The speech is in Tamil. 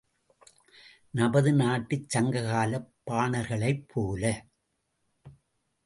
நமது நாட்டுச் சங்க காலப் பாணர்களைப் போல!